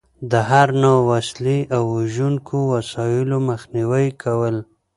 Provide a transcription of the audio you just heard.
د هر نوع وسلې او وژونکو وسایلو مخنیوی کول.